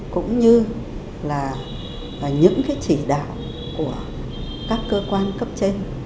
cũng như là những cái chỉ đạo của các cơ quan cấp trên